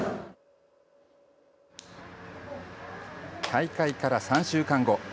大会から３週間後。